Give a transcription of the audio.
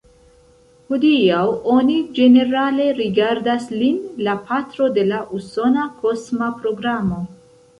Hodiaŭ oni ĝenerale rigardas lin la patro de la usona kosma programo.